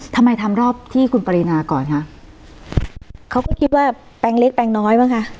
ทำรอบที่คุณปรินาก่อนคะเขาก็คิดว่าแปลงเล็กแปลงน้อยบ้างคะ